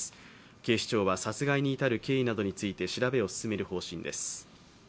警視庁は殺害に至る経緯などについて調べを進める方針です。